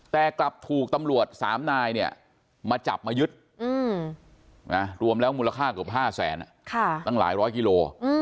แต่กลับถูกตำรวจ๓นายเนี่ยมาจับมายึดรวมแล้วมูลค่าเกือบ๕แสนตั้งหลายร้อยกิโล